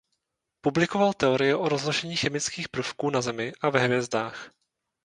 Publikoval teorie o rozložení chemických prvků na zemi a ve hvězdách.